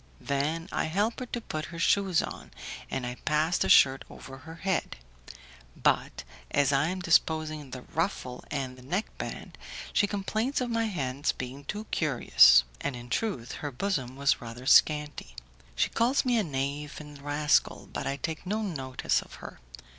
Then I help her to put her shoes on, and I pass the shirt over her head, but as I am disposing the ruffle and the neck band, she complains of my hands being too curious; and in truth, her bosom was rather scanty. She calls me a knave and rascal, but I take no notice of her.